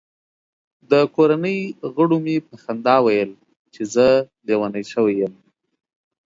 د کورنۍ غړو مې په خندا ویل چې زه لیونی شوی یم.